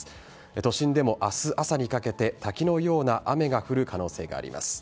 都心でも、明日朝にかけて滝のような雨が降る可能性があります。